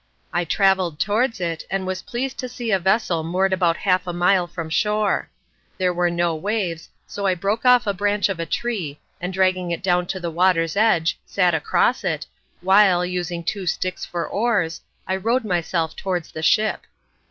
I travelled towards it, and was pleased to see a vessel moored about half a mile from shore. There were no waves, so I broke off the branch of a tree, and dragging it down to the water's edge, sat across it, while, using two sticks for oars, I rowed myself towards the ship.